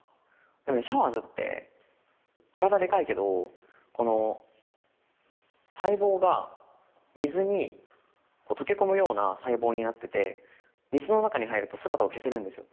シャワーズって体でかいけど細胞が水に溶け込むような細胞になってて水の中に入ると姿を消せるんですよ。